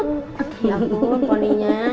oh dia pun polinya